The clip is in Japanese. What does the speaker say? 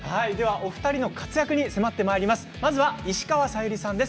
お二人の活躍に迫ってまいります。